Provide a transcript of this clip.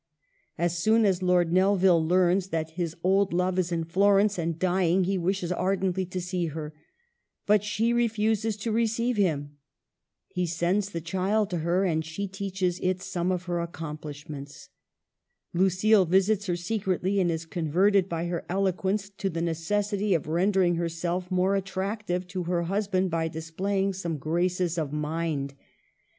As soon as Lord Nelvil learns that his old love is in Florence and dying he wishes ardently to see her, but she refuses to receive him. He sends the child to her, and she teaches it some of her accomplishments. Lucile visits her secretly, and is converted by her eloquence to the necessity of rendering herself more at tractive to her husband by displaying some graces of mind.